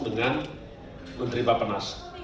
dengan menteri bapenas